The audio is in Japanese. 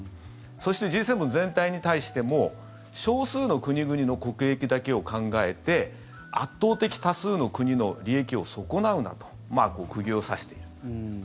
そして、Ｇ７全体に対しても少数の国々の国益だけを考えて圧倒的多数の国の利益を損なうなと釘を刺している。